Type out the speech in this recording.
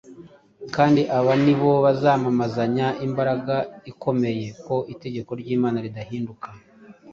kandi aba ni bo bazamamazanya imbaraga ikomeye ko itegeko ry’Imana ridahinduka.